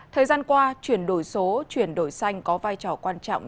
thời gian qua chuyển đổi số chuyển đổi xanh có vai trò quan trọng